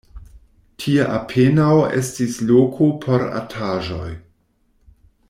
Tie apenaŭ estis loko por artaĵoj.